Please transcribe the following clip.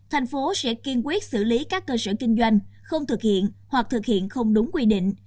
thành phố sẽ kiên quyết xử lý các cơ sở kinh doanh không thực hiện hoặc thực hiện không đúng quy định